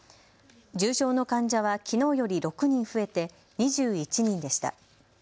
重症の患者はきのうより６人増えて２１人でした。